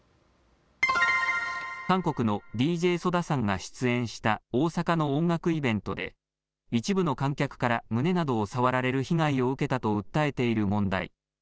韓国のＤＪＳＯＤＡさんが出演した大阪の音楽イベントで一部の観客から胸などを触られる被害を受けたと訴えている問題。